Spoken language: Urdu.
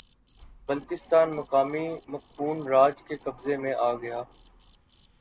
بلتستان مقامی مقپون راج کے قبضے میں آگیا